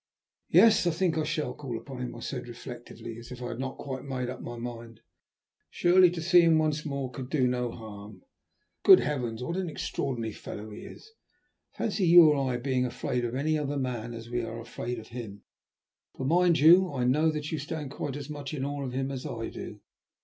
"Yes, I think I shall call upon him," I said reflectively, as if I had not quite made up my mind. "Surely to see him once more could do no harm? Good heavens! what an extraordinary fellow he is! Fancy you or I being afraid of any other man as we are afraid of him, for mind you, I know that you stand quite as much in awe of him as I do.